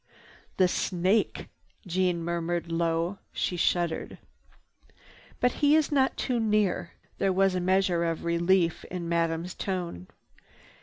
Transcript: "The snake!" Jeanne murmured low. She shuddered. "But he is not too near." There was a measure of relief in Madame's tone.